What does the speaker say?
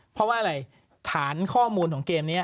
เพราะว่าอะไรฐานข้อมูลของเกมนี้